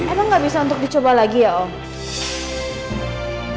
emang gak bisa untuk dicoba lagi ya om